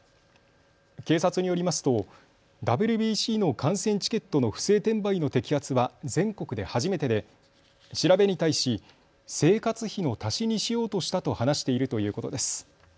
警察によりますとＷＢＣの観戦チケットの不正転売の摘発は全国で初めてで調べに対し生活費の足しにしようとしたと話しているということです。